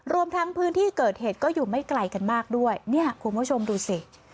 รวมทั้งพื้นที่เกิดเหตุก็อยู่ไม่ไกลกันมากด้วยเนี่ยคุณผู้ชมดูสิ